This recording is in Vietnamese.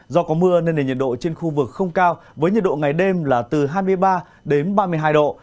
do có mưa nên nền nhiệt độ trên khu vực không cao với nhiệt độ ngày đêm là từ hai mươi ba đến ba mươi hai độ